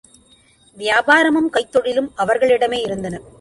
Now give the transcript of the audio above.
வியாபாரமும், கைத்தொழிலும் அவர்களிடமே இருந்தன.